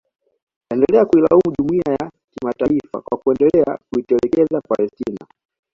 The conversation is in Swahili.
Aliendelea kuilaumu Jumuiya ya kimataifa kwa kuendelea kuitelekeza Palestina